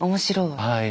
はい。